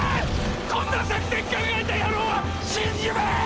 こんな作戦考えた野郎は死んじまえ！